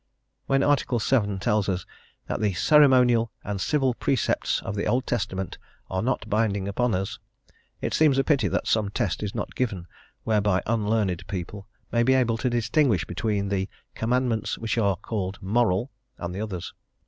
When Article VII. tells us that the ceremonial and civil precepts of the Old Testament are not binding upon us, it seems a pity that some test is not given whereby unlearned people may be able to distinguish between the "Commandments which are called moral" and the others.